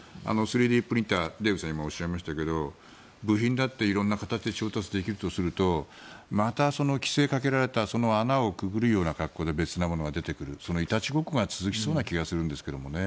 ３Ｄプリンター、デーブさんがおっしゃいましたけど部品だって色んな形で調達できるとするとまた規制をかけられた穴をくぐるような格好で別なものが出てくるいたちごっこが続きそうな気がするんですけどね。